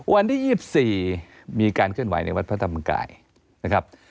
วันที่๒๔มีการเคลื่อนไหวในวัดพระธรรมกายนะครับ